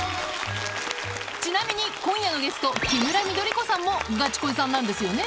ちなみに今夜のゲストキムラ緑子さんもガチ恋さんなんですよね？